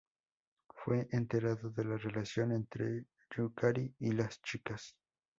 Esta enterado de la relación entre Yukari y las chicas.